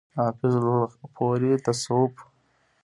د حافظ الپورئ تصوف